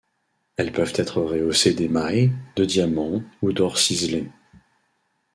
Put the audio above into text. Elles peuvent être rehaussées d'émail, de diamants ou d'or ciselé.